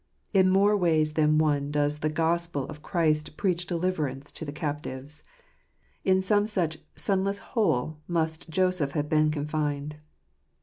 In more ways than one does the Gospel of Christ preach deliverance to the captives. In some such sunless "hole" must Joseph have been confined.